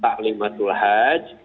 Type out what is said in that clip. pak limatul hajj